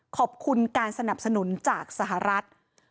ขอบคุณการสนับสนุนจากสหรัฐ